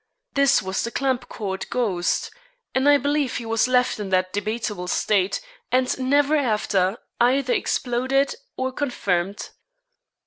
This was the Clampcourt ghost, and I believe he was left in that debatable state, and never after either exploded or confirmed.